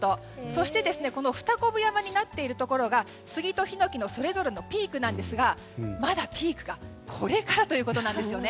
そして、２つのこぶ山になっているところがスギとヒノキのそれぞれのピークなんですがまだピークはこれからということなんですね。